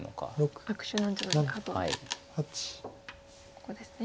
ここですね。